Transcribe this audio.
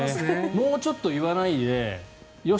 もうちょっと言わないでよし！